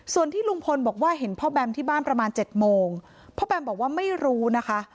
ส่วนที่ลุงพลบอกว่าเห็นพ่อแบมที่บ้านประมาณเจ็ดโมงพ่อแบมบอกว่าไม่รู้นะคะ